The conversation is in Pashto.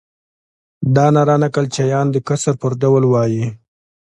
دا ناره نکل چیان د کسر پر ډول وایي.